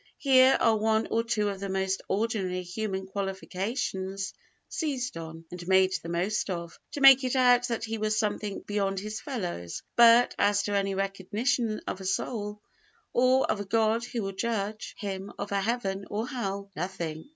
Here are one or two of the most ordinary human qualifications seized on, and made the most of, to make it out that he was something beyond his fellows, but, as to any recognition of a soul, or of a God who will judge him, of a Heaven or hell, nothing!